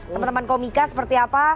teman teman komika seperti apa